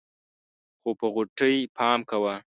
خو په غوټۍ پام کوه.